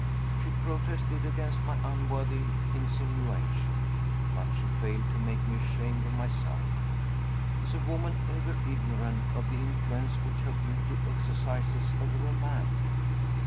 She protested against my unworthy insinuation but she failed to make me ashamed of myself. Is a woman ever ignorant of the influence which her beauty exercises over a man?